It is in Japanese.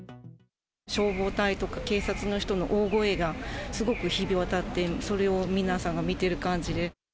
消防隊とか警察の人の大声がすごく響き渡って、それを皆さんが見てる感じで。